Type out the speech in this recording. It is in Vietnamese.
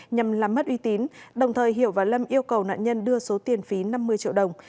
nhằm làm mất uy tín đồng thời hiểu và lâm yêu cầu nạn nhân đưa số tiền phí năm mươi triệu đồng